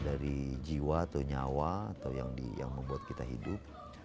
dari jiwa atau nyawa atau yang membuat kita hidup